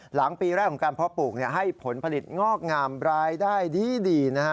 หลังปีแรกของการเพาะปลูกให้ผลผลิตงอกงามรายได้ดีนะฮะ